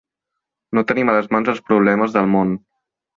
No tenim a les mans els problemes del món.